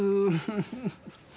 フフフフ。